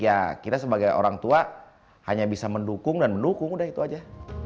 ya kita sebagai orang tua hanya bisa mendukung dan mendukung udah itu aja